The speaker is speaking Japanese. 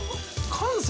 関西